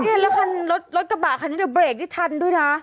นี่แล้วคันรถกระบะคันนี้เดี๋ยวเบรกได้ทันด้วยนะ